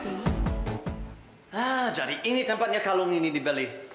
nah jadi ini tempatnya kalung ini dibeli